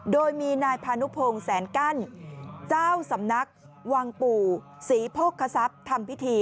โดยมีนายพานุพงศ์แสนกั้นเจ้าสำนักวังปู่ศรีโภคศัพย์ทำพิธี